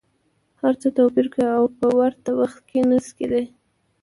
هر څه توپیر کوي او په ورته وخت کي نه شي کیدای.